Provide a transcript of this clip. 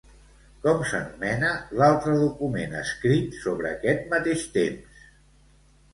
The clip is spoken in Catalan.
Com s'anomena l'altre document escrit sobre aquest mateix temps?